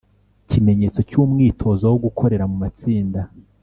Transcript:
kimenyetso cy’umwitozo wo gukorera mu matsinda.